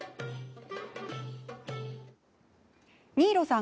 新納さん